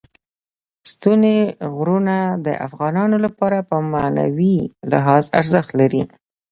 ستوني غرونه د افغانانو لپاره په معنوي لحاظ ارزښت لري.